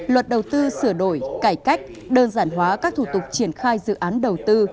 luật đầu tư sửa đổi cải cách đơn giản hóa các thủ tục triển khai dự án đầu tư